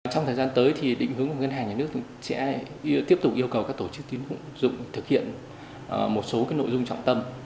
trong thời gian tới thì định hướng của ngân hàng nhà nước sẽ tiếp tục yêu cầu các tổ chức tín dụng thực hiện một số nội dung trọng tâm